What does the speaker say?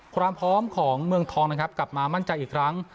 ความพร้อมของเมืองทองนะครับกลับมามั่นใจอีกครั้ง